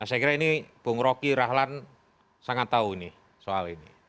saya kira ini bung roky rahlan sangat tahu ini soal ini